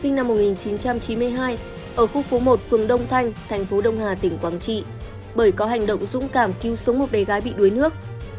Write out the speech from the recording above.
sinh năm một nghìn chín trăm chín mươi hai ở khu phố một phường đông thanh thành phố đông hà tỉnh quảng trị bởi có hành động dũng cảm cứu sống một bé gái bị đuối nước